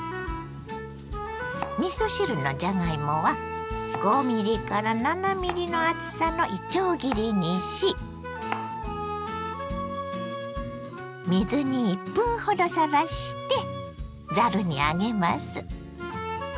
みそ汁のじゃがいもは５７ｍｍの厚さのいちょう切りにし水に１分ほどさらしてざるに上げます。